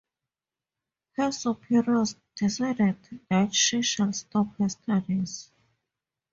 Her superiors decided that she shall stop her studies.